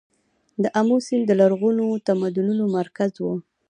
د امو سیند د لرغونو تمدنونو مرکز و